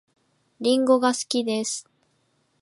りんごが好きです